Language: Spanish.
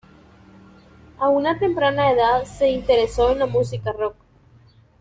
A una temprana edad se interesó en la música "rock".